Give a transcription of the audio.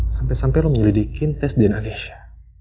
sampai sampai lo menyelidikin tes dna kesia